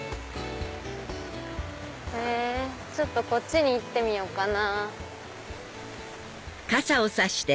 ちょっとこっちに行ってみようかな。